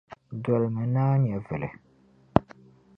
Dolimi naa nyɛvili.